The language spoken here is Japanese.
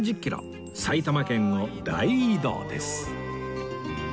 埼玉県を大移動です